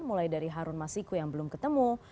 mulai dari harun masiku yang belum ketemu